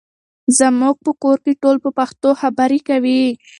زموږ په کور کې ټول په پښتو خبرې کوي.